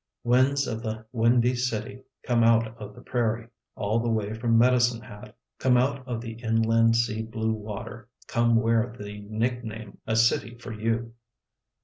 Winds of the Windy City, come out of the prairie, all the way from Medicine Hat. Come out of the inland sea blue water, come where they nickname a city for you.